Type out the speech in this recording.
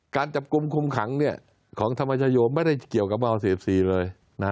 การจับกลุ่มคุมขังของธรรมชโยมไม่ได้เกี่ยวกับม๔๔เลย